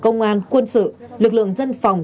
công an quân sự lực lượng dân phòng